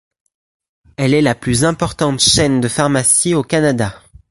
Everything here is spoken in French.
Elle est la plus importante chaîne de pharmacies au Canada.